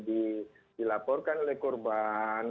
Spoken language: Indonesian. dilaporkan oleh korban